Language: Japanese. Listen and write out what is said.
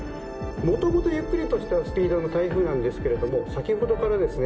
もともとゆっくりとしたスピードの台風なんですけれども先ほどからですね